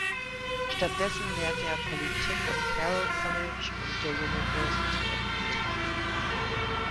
Stattdessen lehrte er Politik am Carroll College und der University of Montana.